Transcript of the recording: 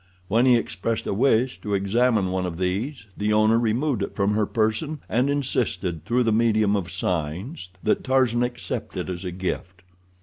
When he expressed a wish to examine one of these, the owner removed it from her person and insisted, through the medium of signs, that Tarzan accept it as a gift.